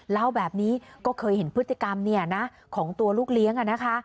เล่าแบบนี้ก็เคยเห็นพฤติกรรมเนี่ยนะของตัวลูกเลี้ยงนะคะ